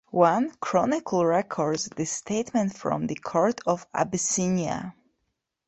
One chronicle records this statement from the Court of Abyssinia.